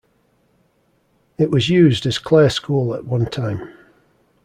It was used as Clare School at one time.